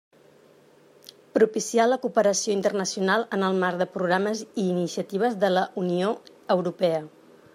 Propiciar la cooperació internacional en el Marc de Programes i Iniciatives de la Unió Europea.